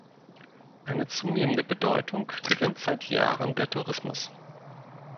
Eine zunehmende Bedeutung gewinnt seit Jahren der Tourismus.